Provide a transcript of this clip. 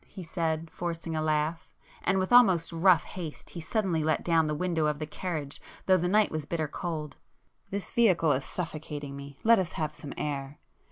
he said, forcing a laugh,—and with almost rough haste, he suddenly let down the window of the carriage though the night was bitter cold—"This vehicle is suffocating me,—let us have some air.